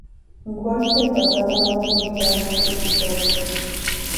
Wolf del pasado no modificaron su historia.